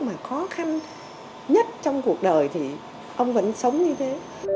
mà khó khăn nhất trong cuộc đời thì ông vẫn sống như thế